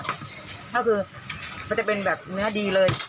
ก็คือมันจะเป็นแบบเนื้อดีเลย